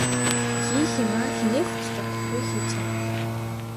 Хийх юмаа хэнээс ч дутахгүй хийчихнэ.